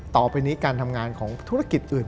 ต่อไปนี้การทำงานของธุรกิจอื่น